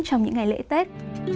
trong những ngày lễ tết